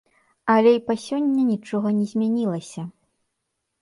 Але і па сёння нічога не змянілася.